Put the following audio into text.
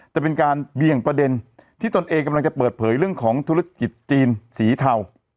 จะเป็นการเบี่ยงประเด็นที่ตนเองกำลังจะเปิดเผยเรื่องของธุรกิจจีนสีเทา